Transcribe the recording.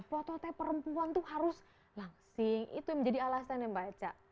prototipe perempuan itu harus langsing itu yang menjadi alasan ya mbak echa